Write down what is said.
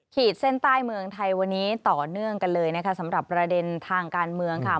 ขีดเส้นใต้เมืองไทยวันนี้ต่อเนื่องกันเลยนะคะสำหรับประเด็นทางการเมืองค่ะ